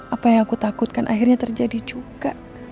apa yang aku takutkan akhirnya terjadi juga